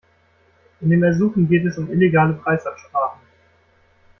In dem Ersuchen geht es um illegale Preisabsprachen.